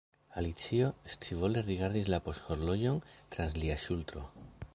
Alicio scivole rigardis la poŝhorloĝon trans lia ŝultro.